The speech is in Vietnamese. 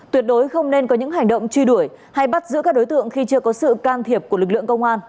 tuyệt đối không nên có những hành động truy đuổi hay bắt giữ các đối tượng khi chưa có sự can thiệp của lực lượng công an